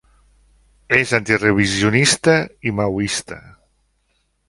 És antirevisionista i maoista.